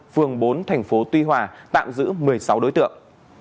phường bốn thành phố tuy hòa tạm giữ một mươi sáu đối tượng